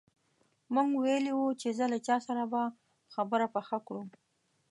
موږ ویلي وو چې ځه له چا سره به خبره پخه کړو.